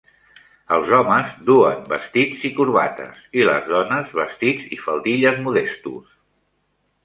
Els homes duen vestits i corbates i les dones, vestits i faldilles modestos.